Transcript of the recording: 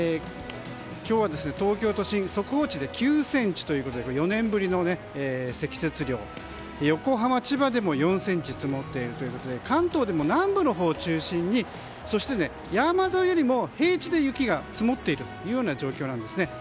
今日は東京都心速報値で９ｃｍということで４年ぶりの積雪量で横浜、千葉でも４ｃｍ積もっているということで関東でも南部のほうを中心にそして、山沿いよりも平地で雪が積もっている状況です。